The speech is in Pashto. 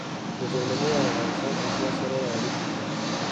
د جرمني او افغانستان حکومت سره يې اړیکې وې.